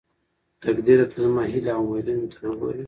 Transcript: تقديره ته زما هيلې او اميدونه ته نه ګورې.